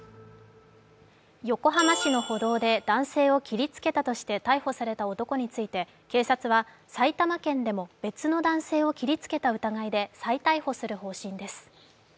横浜市の歩道で男性を切りつけたとして逮捕された男について警察は埼玉県でも別の男性を切りつけた疑いで再逮捕する方針です。